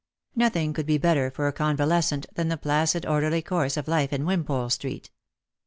Nothing could be better for a convalescent than the placid, orderly course of life in Wimpole street.